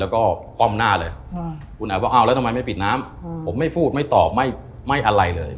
แล้วก็ป้อมหน้าเลยอ้าวแล้วทำไมไม่ปิดน้ำผมไม่พูดไม่ตอบไม่อะไรเลย